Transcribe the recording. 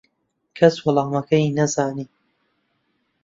کەس وەڵامەکەی نەزانی.